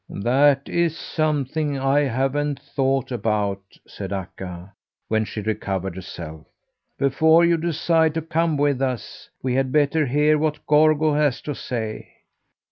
"That is something I haven't thought about," said Akka, when she recovered herself. "Before you decide to come with us, we had better hear what Gorgo has to say.